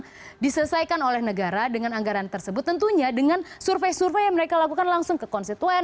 yang diselesaikan oleh negara dengan anggaran tersebut tentunya dengan survei survei yang mereka lakukan langsung ke konstituen